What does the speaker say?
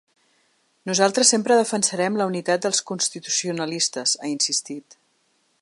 Nosaltres sempre defensarem la unitat dels constitucionalistes, ha insistit.